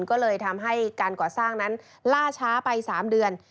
ก็เลยทำให้การก่อสร้างนั้นล่าช้าไป๓เดือน